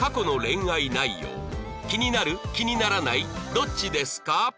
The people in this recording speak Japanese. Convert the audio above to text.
どっちですか？